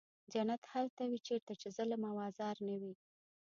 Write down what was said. جنت هلته وي چېرته چې ظلم او آزار نه وي.